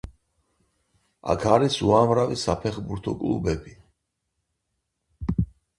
აქ არის უამრავი საფეხბურთო კლუბები.